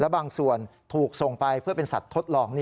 บางส่วนถูกส่งไปเพื่อเป็นสัตว์ทดลอง